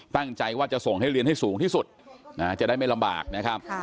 ตั้งใจว่าจะส่งให้เรียนให้สูงที่สุดจะได้ไม่ลำบากนะครับ